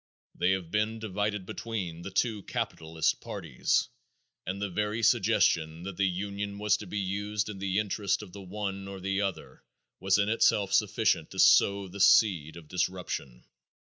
They have been divided between the two capitalist parties and the very suggestion that the union was to be used in the interest of the one or the other was in itself sufficient to sow the seed of disruption.